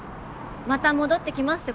「また戻ってきます」って